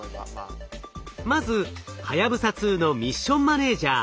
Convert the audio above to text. まずはやぶさ２のミッションマネージャ